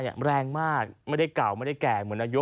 โหมีแปลงขับขี่ปะเนี่ย